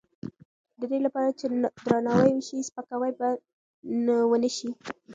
د دې لپاره چې درناوی وشي، سپکاوی به ونه شي.